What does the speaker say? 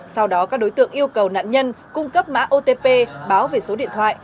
sau đó các đối tượng yêu cầu nạn nhân cung cấp mã otp báo về số điện thoại